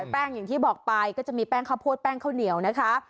แป้งอย่างที่บอกไปก็จะมีแป้งข้าวโพดแป้งข้าวเหนียวนะคะ